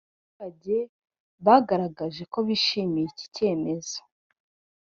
abaturage bagaragaje ko bishimiye iki cyemezo